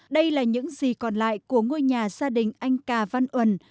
đây là những gì còn lại của ngôi nhà gia đình anh cà văn uẩn